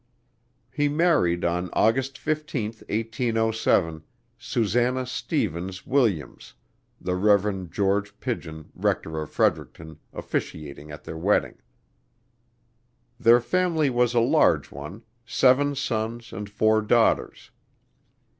He married on August 15, 1807, Susanna Stephens Williams, the Rev. George Pidgeon, rector of Fredericton, officiating at the wedding. Their family was a large one, seven sons and four daughters.